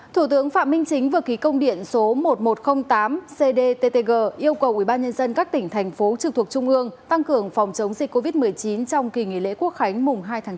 thủ tướng phạm minh chính vừa ký công điện số một nghìn một trăm linh tám cdttg yêu cầu ubnd các tỉnh thành phố trực thuộc trung ương tăng cường phòng chống dịch covid một mươi chín trong kỳ nghỉ lễ quốc khánh mùng hai tháng chín